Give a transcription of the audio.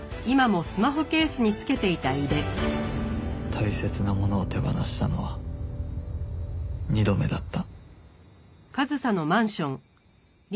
大切なものを手放したのは２度目だった